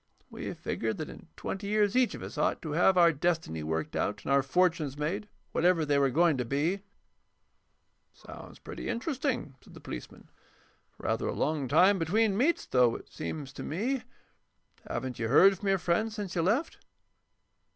We figured that in twenty years each of us ought to have our destiny worked out and our fortunes made, whatever they were going to be." "It sounds pretty interesting," said the policeman. "Rather a long time between meets, though, it seems to me. Haven't you heard from your friend since you left?"